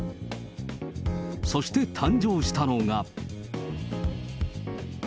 そして誕生したのが。